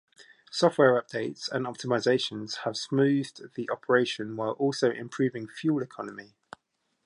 Software updates and optimisations have smoothed the operation while also improving fuel economy.